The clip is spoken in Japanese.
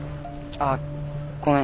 あごめん。